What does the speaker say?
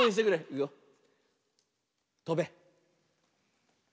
いくよ。とべ。